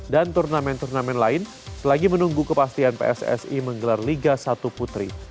dan turnamen turnamen lain selagi menunggu kepastian pssi menggelar liga satu putri